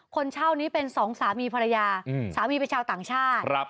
คนเช่านี้เป็นสองสามีภรรยาสามีเป็นชาวต่างชาติ